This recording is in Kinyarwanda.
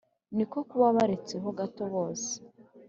niko kkuba baretse ho gato bose